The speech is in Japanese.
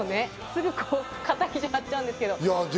すぐ肩肘張っちゃうんですけど。